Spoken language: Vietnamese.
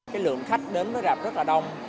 cái lượng khách đến với rạp rất là đông